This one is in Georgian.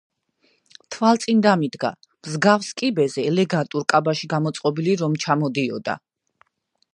თავლწინ დამიდგა, მსგავს კიბეზე ელეგანტურ კაბაში გამოწყობილი რომ ჩამოდიოდა.